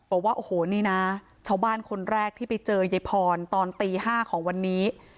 บอกว่าโอ้โหนี่นะชาวบ้านคนแรกที่ไปเจอยายพรตอนตี๕ของวันนี้